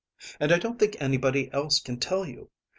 And I don't think anybody else can tell you.